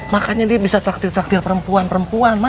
makanya dia bisa traktir traktir perempuan perempuan ma